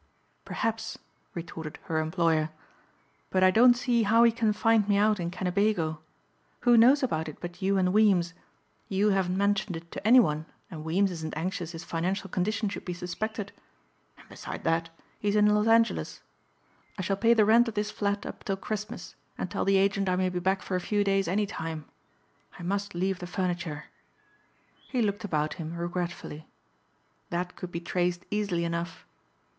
"Perhaps," retorted her employer, "but I don't see how he can find me out in Kennebago. Who knows about it but you and Weems? You haven't mentioned it to any one and Weems isn't anxious his financial condition should be suspected. And, beside that, he's in Los Angeles. I shall pay the rent of this flat up till Christmas and tell the agent I may be back for a few days any time. I must leave the furniture." He looked about him regretfully. "That could be traced easily enough."